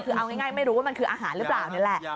คือเอาง่ายไม่รู้ว่ามันคืออาหารหรือเปล่านี่แหละ